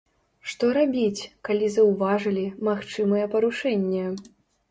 Што рабіць, калі заўважылі, магчымае парушэнне?